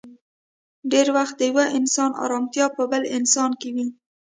ډېری وخت د يو انسان ارمتيا په بل انسان کې وي.